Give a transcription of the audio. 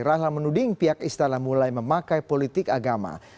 rahlan menuding pihak istana mulai memakai politik agama